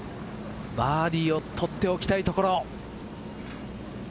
バーディーを取っておきたいところ。